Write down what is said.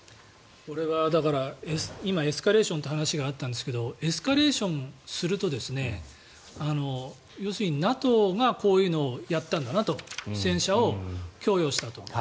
これは今エスカレーションという話があったんですがエスカレーションすると要するにＮＡＴＯがこういうのをやったんだなと戦車を供与したと。